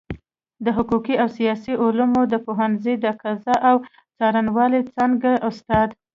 د حقوقو او سياسي علومو د پوهنځۍ د قضاء او څارنوالۍ څانګي استاد